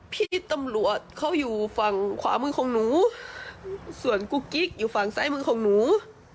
พี่ตำรวจเขาอยู่ฝั่งขวามือของหนูส่วนกุ๊กกิ๊กอยู่ฝั่งซ้ายมือของหนู